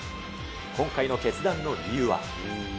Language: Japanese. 今回の決断の理由は。